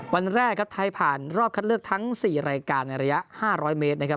วันแรกครับไทยผ่านรอบคัดเลือกทั้ง๔รายการในระยะ๕๐๐เมตรนะครับ